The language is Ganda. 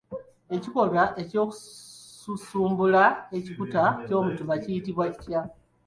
Ekikolwa eky’okususumbula ekikuta ky’omutuba kiyitibwa kitya?